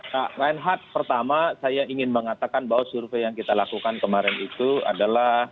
pak reinhard pertama saya ingin mengatakan bahwa survei yang kita lakukan kemarin itu adalah